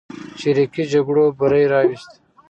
چریکي جګړو بری راوست.